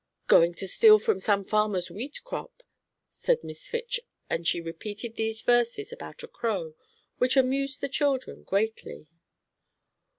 "Going to steal from some farmer's wheat crop," said Miss Fitch, and she repeated these verses about a crow, which amused the children greatly.